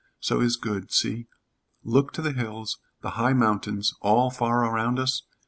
So is good. See. Look to the hills, the high mountains, all far around us?